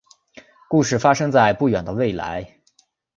故事发生在不远的未来。